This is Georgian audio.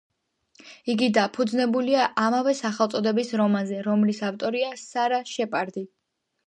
იგი დაფუძნებულია ამავე სახელწოდების რომანზე, რომლის ავტორია სარა შეპარდი.